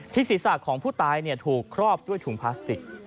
ศีรษะของผู้ตายถูกครอบด้วยถุงพลาสติก